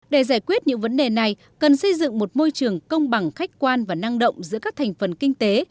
để giải quyết những vấn đề này cần xây dựng một môi trường công bằng khách quan và năng động giữa các thành phần kinh tế